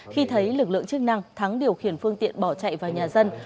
khi thấy lực lượng chức năng thắng điều khiển phương tiện bỏ chạy vào nhà dân